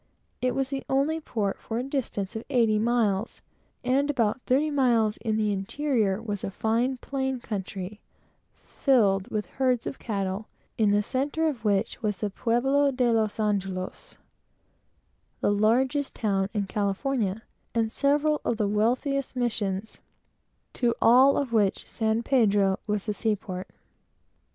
It was the only port for a distance of eighty miles, and about thirty miles in the interior was a fine plane country, filled with herds of cattle, in the centre of which was the Pueblo de los Angelos the largest town in California and several of the wealthiest missions; to all of which San Pedro was the sea port.